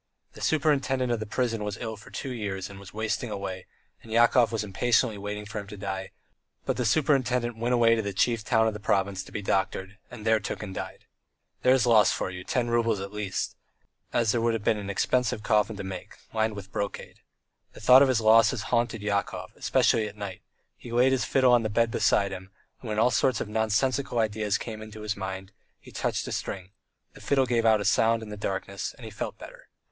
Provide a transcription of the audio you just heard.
The superintendent of the prison was ill for two years and was wasting away, and Yakov was impatiently waiting for him to die, but the superintendent went away to the chief town of the province to be doctored, and there took and died. There's a loss for you, ten roubles at least, as there would have been an expensive coffin to make, lined with brocade. The thought of his losses haunted Yakov, especially at night; he laid his fiddle on the bed beside him, and when all sorts of nonsensical ideas came into his mind he touched a string; the fiddle gave out a sound in the darkness, and he felt better.